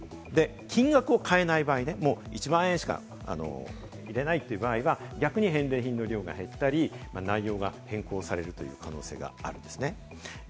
金額を変えない場合、１万円しか入れないという場合は逆に返礼品の量が減ったり、内容が変更されるという可能性があるんですね。